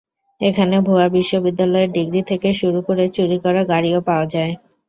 এখানে ভুয়া বিশ্ববিদ্যালয়ের ডিগ্রি থেকে শুরু করে চুরি করা গাড়িও পাওয়া যায়।